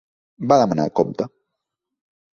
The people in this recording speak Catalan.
Va demanar el compte.